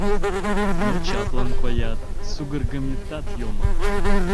Но чаплын коят, сугыргыметат йомын.